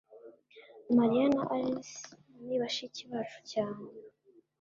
mariya na alice ni bashiki bacu cyane